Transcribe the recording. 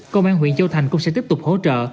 công an huyện châu thành cũng sẽ tiếp tục hỗ trợ